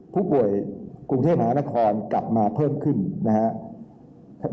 ผู้ป่วยกรุงเทพมหานครกลับมาเพิ่มขึ้นนะครับ